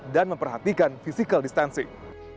dan memperhatikan physical distancing